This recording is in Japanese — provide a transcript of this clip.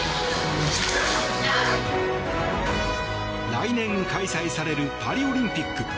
来年開催されるパリオリンピック。